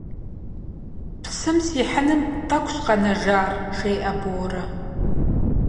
Псым сихьыным тӏэкӏущ къэнэжар, - жеӏэ Борэ.